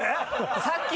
さっき